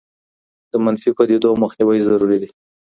د منفي پدیدو مخنیوی ضروري دی.